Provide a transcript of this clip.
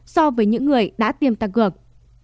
so với những người đã tiêm tăng cường